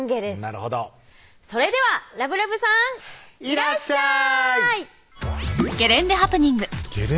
なるほどそれではラブラブさんいらっしゃい！